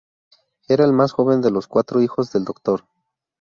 Era el más joven de los cuatro hijos del Dr.